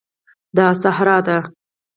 دا صحرا ده